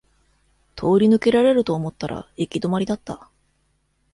通り抜けられると思ったら行き止まりだった